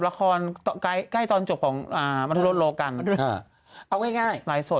ละครใกล้ใกล้ตอนจบของอ่ามันรถโลกันเอาง่ายไลฟ์สด